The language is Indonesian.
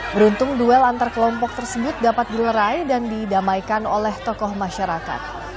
beruntung duel antar kelompok tersebut dapat dilerai dan didamaikan oleh tokoh masyarakat